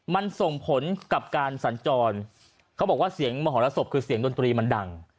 มันส่งผลกับการสัญจรเขาบอกว่าเสียงมหรสบคือเสียงดนตรีมันดัง